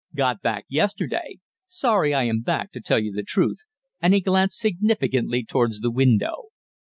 Got back yesterday. Sorry I am back, to tell you the truth," and he glanced significantly towards the window.